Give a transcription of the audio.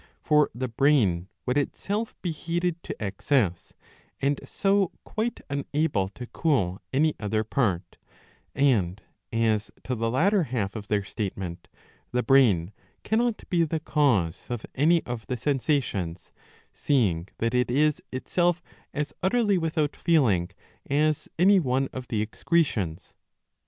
For the brain would itself be heated to excess and so quite unable to cool any other part ; and, as to the latter half of their statement, the brain cannot be the cause of any of the sensations, seeing that it is itself as utterly without feeling as any one of the excretions.